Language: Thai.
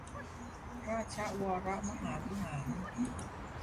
ราชวรมหาวิหาร